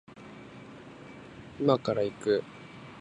今から行く